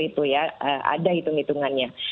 itu ya ada hitung hitungannya